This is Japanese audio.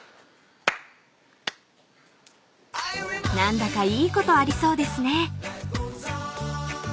［何だかいいことありそうですね］来てよかった。